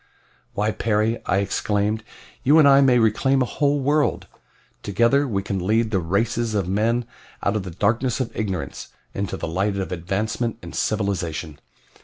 "Why, Perry," I exclaimed, "you and I may reclaim a whole world! Together we can lead the races of men out of the darkness of ignorance into the light of advancement and civilization.